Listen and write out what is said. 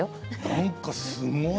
何かすごい。